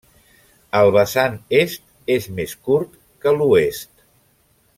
El vessant est és més curt que l'oest.